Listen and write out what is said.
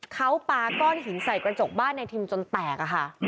เขาปาก้อนหินใส่กระจกบ้านในทิมจนแตกค่ะ